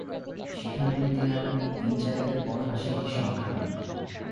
সেখান হইতে আর দিন-চারেকের পথ আসিলেই স্বগ্রাম।